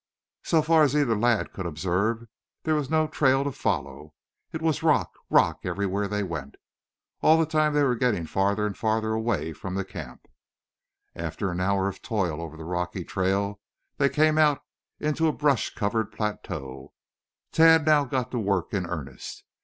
So far as either lad could observe there was no real trail to follow. It was rock, rock everywhere they went. All the time they were getting farther and farther away from the camp. After an hour of toil over the rocky trail they came out into a brush covered plateau. Tad now got to work in earnest.